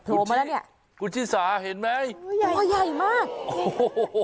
โหมาแล้วเนี้ยคุณชิสาเห็นไหมโอ้ยใหญ่มากโอ้โห